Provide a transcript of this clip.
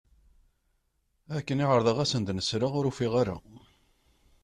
Akken i ɛerḍeɣ ad asen-d-nesreɣ ur ufiɣ ara.